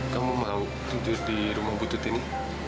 kamu mau tidur di rumah butut ini